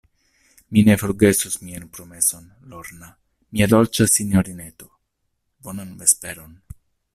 Mi ne forgesos mian promeson, Lorna, mia dolĉa sinjorineto; bonan vesperon.